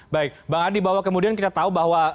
baik bang andi bahwa kemudian kita tahu bahwa